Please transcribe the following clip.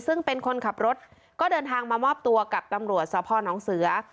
ซึ่งเป็นคนขับรถก็เดินทางมามอบตัวกับตำรวจสพนเสือ